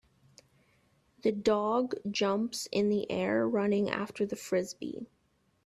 The dog jumps in the air running after the Frisbee.